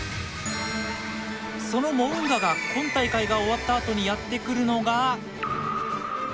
そのモウンガが今大会が終わったあとにやってくるのが。